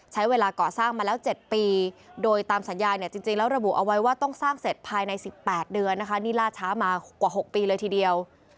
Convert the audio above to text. ใช้เวลาก่อสร้างมาแล้ว๗ปีโดยตามสัญญาเนี่ยจริงแล้วระบุเอาไว้ว่าต้องสร้างเสร็จภายใน๑๘เดือนนะคะนี่ล่าช้ามากว่า๖ปีเลยทีเดียว